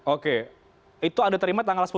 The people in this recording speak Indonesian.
oke itu anda terima tanggal sepuluh maret ya